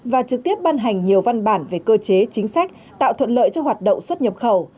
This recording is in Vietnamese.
và trực tiếp ban hành nhiều văn bản về cơ chế chính sách tạo thuận lợi cho hoạt động xuất nhập khẩu